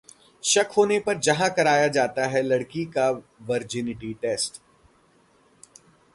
शक होने पर जहां कराया जाता है लड़की का वर्जिनिटी टेस्ट